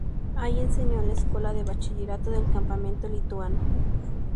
Ahí enseñó en la escuela de bachillerato del campamento lituano.